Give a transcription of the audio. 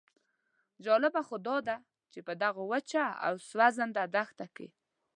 جالبه خو داده چې په دغه وچه او سوځنده دښته کې.